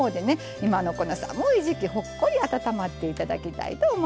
今のこの寒い時期ほっこり温まっていただきたいと思います。